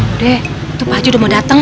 udah itu bu haji udah mau dateng